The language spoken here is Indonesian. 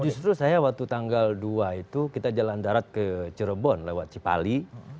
justru saya waktu tanggal dua itu kita jalan darat ke cirebon lewat cipali